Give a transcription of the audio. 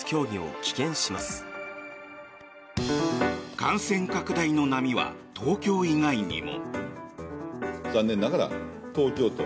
感染拡大の波は東京以外にも。